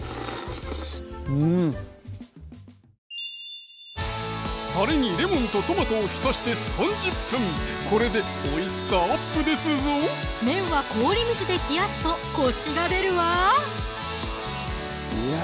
うんたれにレモンとトマトを浸して３０分これでおいしさアップですぞ麺は氷水で冷やすとコシが出るわいや